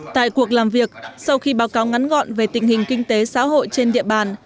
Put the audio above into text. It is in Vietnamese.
tại cuộc làm việc sau khi báo cáo ngắn gọn về tình hình kinh tế xã hội trên địa bàn